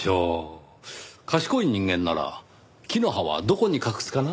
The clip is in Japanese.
「賢い人間なら樹の葉はどこに隠すかな？」